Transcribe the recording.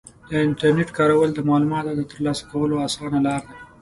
د انټرنیټ کارول د معلوماتو د ترلاسه کولو اسانه لاره ده.